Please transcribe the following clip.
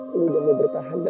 pelukannya gue gak bisa nafas